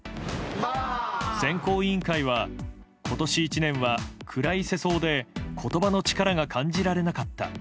選考委員会は今年１年は暗い世相で言葉の力が感じられなかった。